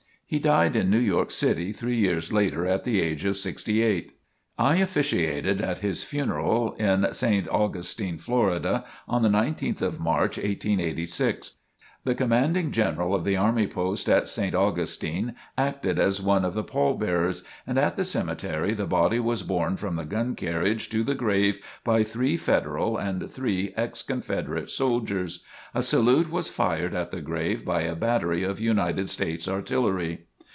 He died in New York city three years later at the age of sixty eight. I officiated at his funeral in St. Augustine, Florida, on the 19th of March, 1886. The commanding General of the Army post at St. Augustine acted as one of the pall bearers, and at the cemetery the body was borne from the gun carriage to the grave by three Federal and three ex Confederate soldiers. A salute was fired at the grave by a battery of United States Artillery.